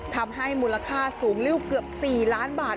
ทำให้มูลค่าสูงริ้วเกือบ๔ล้านบาท